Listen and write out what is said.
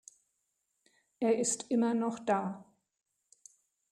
Er ist immer noch da.